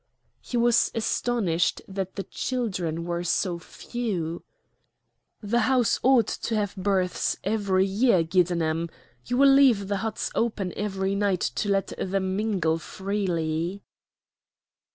He was astonished that the children were so few. "The house ought to have births every year, Giddenem. You will leave the huts open every night to let them mingle freely."